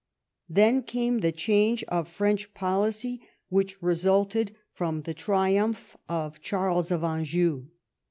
Then came the change of French policy which resulted from the triumph of Charles of Anjou.